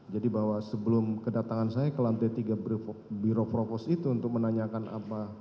jadi bahwa sebelum kedatangan saya ke lantai tiga biro propos itu untuk menanyakan apa